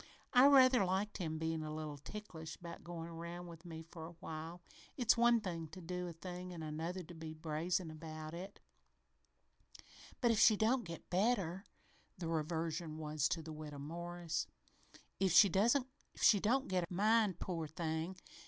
I rather liked him bein' a little ticklish about goin' around with me for a while. It's one thing to do a thing an' another to be brazen about it it "But if she don't get better" the reversion was to the Widow Morris "if she don't get her mind poor thing!